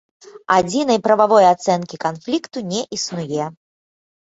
Адзінай прававой ацэнкі канфлікту не існуе.